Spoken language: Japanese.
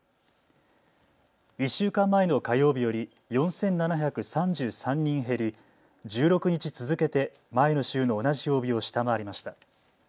１週間前の火曜日より４７３３人減り１６日続けて前の週の同じ曜日を下回りました。